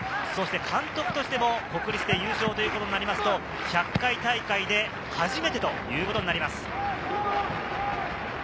そして監督としても、国立で優勝ということになりますと、１００回大会で初めてということになります。